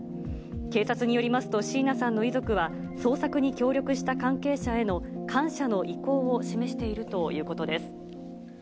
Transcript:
警察によりますと椎名さんの遺族は、捜索に協力した関係者への感謝の意向を示しているということです。